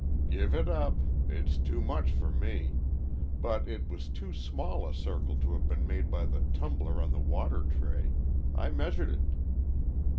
"Give it up. It's too much for me. But it was too small a circle to have been made by the tumbler on the water tray. I measured it."